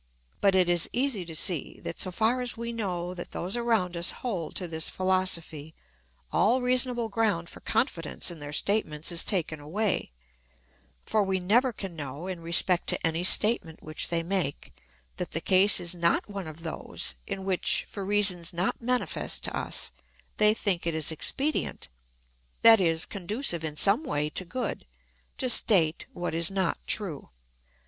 But it is easy to see that, so far as we know that those around us hold to this philosophy, all reasonable ground for confidence in their statements is taken away; for we never can know, in respect to any statement which they make, that the case is not one of those in which, for reasons not manifest to us, they think it is expedient that is, conducive in some way to good to state what is not true.